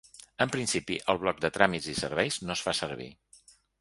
En principi, el bloc de tràmits i serveis no es fa servir.